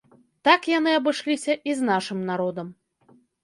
Так яны абышліся і з нашым народам.